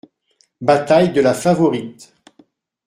Bataille de la Favorite.